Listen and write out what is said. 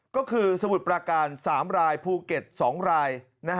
ก็คือสมุทรประการ๓รายภูเก็ต๒ราย